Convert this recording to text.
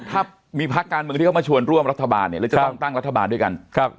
ถ้ามีพักการเมืองที่เขามาชวนร่วมรัฐบาลเนี่ยแล้วจะต้องตั้งรัฐบาลด้วยกัน